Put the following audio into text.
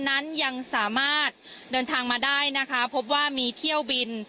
นั้นยังสามารถเดินทางมาได้นะคะพบว่ามีเที่ยวบิน